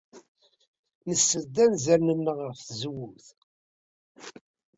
Nessed-d anzaren-nneɣ ɣef tzewwut.